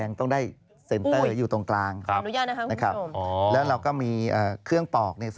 นี่นะครับแบบไข่สดก็มีอ๋ออันนี้ไข่สด